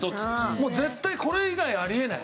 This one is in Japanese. もう絶対これ以外あり得ない。